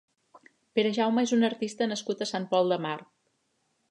Perejaume és un artista nascut a Sant Pol de Mar.